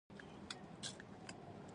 آیا د ایران او افغانستان ژبه نږدې نه ده؟